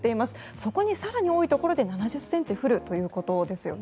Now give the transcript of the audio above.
そこに更に多いところで７０ｃｍ降るということです。